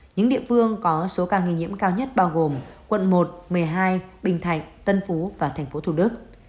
những địa phương có số ca nghi nhiễm cao nhất bao gồm quận một một mươi hai bình thạnh tân phú và tp thủ đức